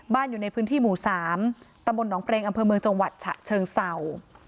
อยู่ในพื้นที่หมู่๓ตำบลหนองเปรงอำเภอเมืองจังหวัดฉะเชิงเศร้า